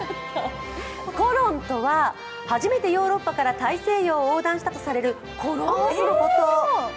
コロンとは、初めてヨーロッパから大西洋を横断したとされるコロンブスのこと。